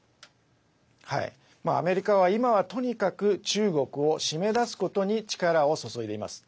アメリカは今はとにかく中国を締め出すことに力を注いでいます。